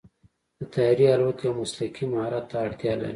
د طیارې الوت یو مسلکي مهارت ته اړتیا لري.